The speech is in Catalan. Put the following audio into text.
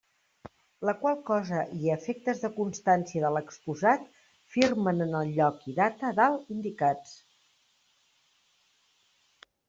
La qual cosa i a efectes de constància de l'exposat firmen en el lloc i data a dalt indicats.